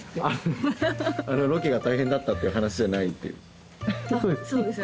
あのロケが大変だったっていう話じゃないっていう。